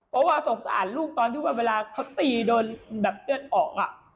เพราะว่าสงสารลูกตอนที่ว่าเวลาเขาตีโดนแบบเลือดออก